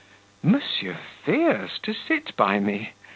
"Monsieur fears to sit by me?"